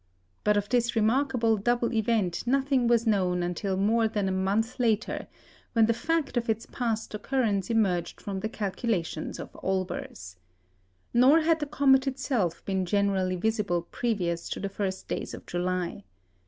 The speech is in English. But of this remarkable double event nothing was known until more than a month later, when the fact of its past occurrence emerged from the calculations of Olbers. Nor had the comet itself been generally visible previous to the first days of July.